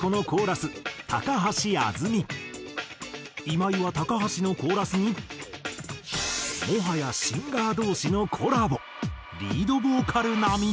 今井は高橋のコーラスに「もはやシンガー同士のコラボ」「リードボーカル並み」。